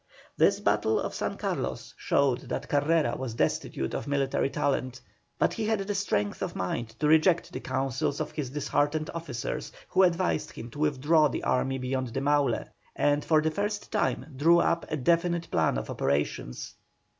This battle of San Carlos showed that Carrera was destitute of military talent; but he had the strength of mind to reject the councils of his disheartened officers, who advised him to withdraw the army beyond the Maule, and for the first time drew up a definite plan of operations.